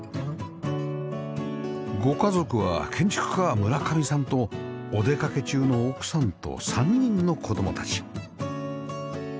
ご家族は建築家村上さんとお出かけ中の奥さんと３人の子供たち